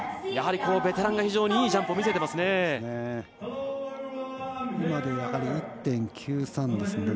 ベテランが非常にいいジャンプを見せています。